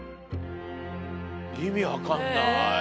意味分かんない。